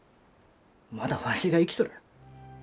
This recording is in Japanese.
まだわしが生きとる。